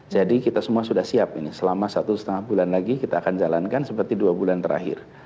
jadi kita semua sudah siap ini selama satu setengah bulan lagi kita akan jalankan seperti dua bulan terakhir